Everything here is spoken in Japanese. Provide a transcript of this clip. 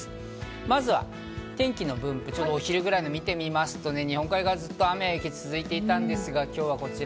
まずは天気の分布図、お昼ぐらいのものを見てみると日本海側、ずっと雨や雪が続いていたんですが、今日はこちら。